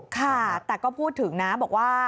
ค่ะแต่ก็พูดถึงนะบอกว่า